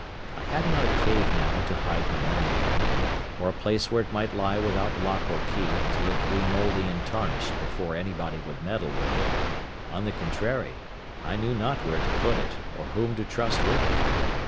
I had not a cave now to hide my money in, or a place where it might lie without lock or key, till it grew mouldy and tarnished before anybody would meddle with it; on the contrary, I knew not where to put it, or whom to trust with it.